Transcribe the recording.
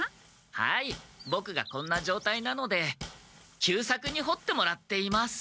はいボクがこんなじょうたいなので久作に掘ってもらっています。